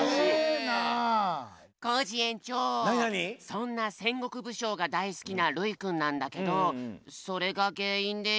そんな戦国武将がだい好きなるいくんなんだけどそれがげんいんで